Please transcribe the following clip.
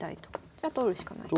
じゃ取るしかないと。